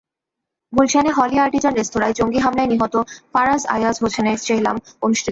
গুলশানে Holey Artisan রেস্তোরাঁয় জঙ্গি হামলায় নিহত ফারাজ আইয়াজ হোসেনের চেহলাম অনুষ্ঠিত হয়েছে।